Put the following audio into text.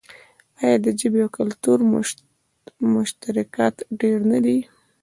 آیا د ژبې او کلتور مشترکات ډیر نه دي؟